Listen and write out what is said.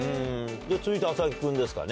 続いて麻木君ですかね。